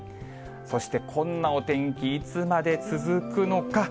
そしてこんなお天気、いつまで続くのか。